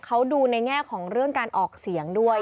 เขาดูในแง่ของเรื่องการออกเสียงด้วย